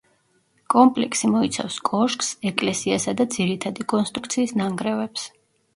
კომპლექსი მოიცავს კოშკს, ეკლესიასა და ძირითადი კონსტრუქციის ნანგრევებს.